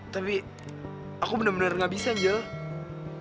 tapi aku bener bener nggak bisa angel